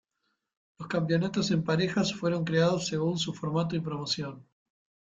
Los campeonatos en parejas fueron creados según su formato y promoción.